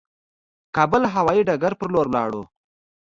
کابل هوايي ډګر پر لور ولاړو.